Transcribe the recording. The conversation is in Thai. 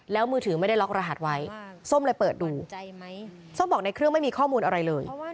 แล้วมือถือไม่ได้ล็อกรหัสไว้ส้มเลยเปิดดูส้มบอกในเครื่องไม่มีข้อมูลอะไรเลย